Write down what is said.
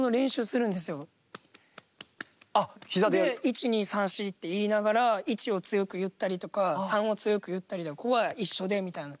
１２３４って言いながら１を強く言ったりとか３を強く言ったりここは一緒でみたいな。